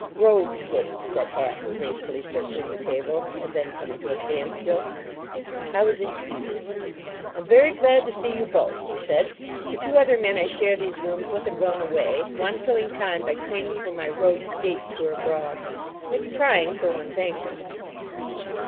"Road skates," said Hatton, gracefully circling the table and then coming to a standstill. I was introduced. "I'm very glad to see you both," he said. "The two other men I share these rooms with have gone away, so I'm killing time by training for my road skate tour abroad. It's trying for one's ankles."